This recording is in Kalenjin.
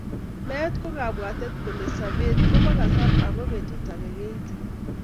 Meet ko kabwatet kole sobeet kobo kasar ako betut age keiti.